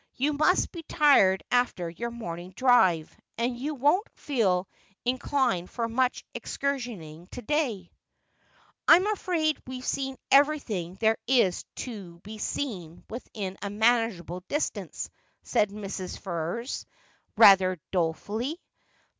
You must be tired after your morning drive, and you won't feel in clined for much excursionising to day.' ' I'm afraid we've seen everything there is to be seen within a manageable distance,' said Mrs. Ferrers, rather dolefully.